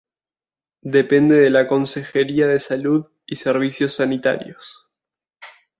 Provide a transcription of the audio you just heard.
Depende de la Consejería de Salud y Servicios Sanitarios.